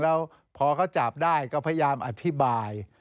แล้วพอเขาจับได้ก็พยายามอธิบาย